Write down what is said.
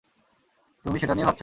তুমি সেটা নিয়ে ভাবছো?